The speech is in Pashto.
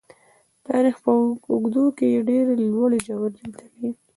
تاریخ په اوږدو کې یې ډېرې لوړې ژورې لیدلي.